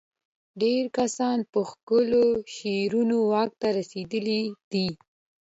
ډېری کسان په ښکلو شعارونو واک ته رسېدلي دي.